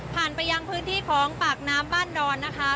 ไปยังพื้นที่ของปากน้ำบ้านดอนนะคะ